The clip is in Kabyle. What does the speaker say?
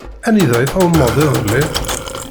Anida i tɛummeḍ iḍelli?